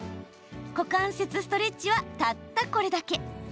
股関節ストレッチはたったこれだけ。